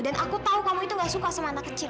dan aku tahu kamu itu gak suka sama anak kecil